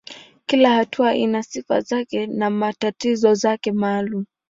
Kila hatua ina sifa zake na matatizo yake maalumu.